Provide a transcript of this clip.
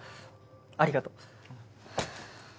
ありがとう。